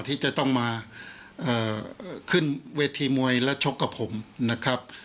ที่จะต้องมาขึ้นเวทีมวยและชกกับผมนะครับ